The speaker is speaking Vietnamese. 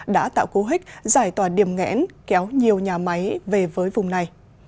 đã tạo cố hích giải tỏa điểm ngẽn kéo nhiều nhà máy về với vùng này